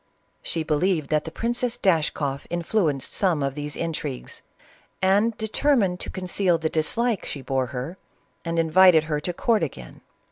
She believed that the Princess Dashkoff influenced some of these intrigues, and determined to conceal the dislike she bore her, and invited her to court again.